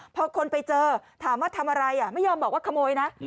พอคนไปเจอถามว่าทำอะไรไม่ยอมบอกว่าขโมยนะ